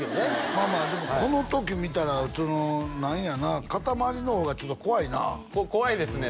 まあまあでもこの時見たらその何やなかたまりの方がちょっと怖いな怖いですね